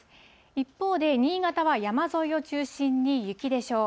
一方で新潟は山沿いを中心に雪でしょう。